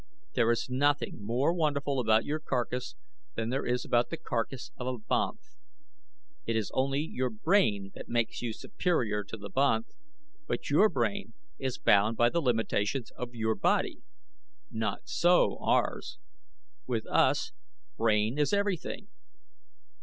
There is nothing more wonderful about your carcass than there is about the carcass of a banth. It is only your brain that makes you superior to the banth, but your brain is bound by the limitations of your body. Not so, ours. With us brain is everything.